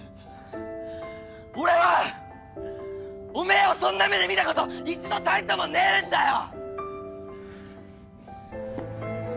俺はおめえをそんな目で見たこと一度たりともねえんだよ！